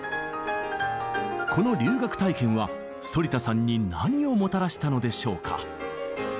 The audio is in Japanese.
この留学体験は反田さんに何をもたらしたのでしょうか？